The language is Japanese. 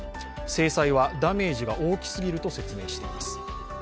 制裁はダメージが大きすぎると説明しています。